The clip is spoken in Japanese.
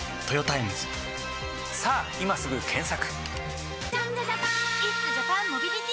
さぁ今すぐ検索！